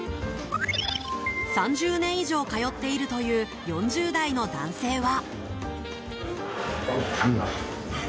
３０年以上通っているという４０代の男性は。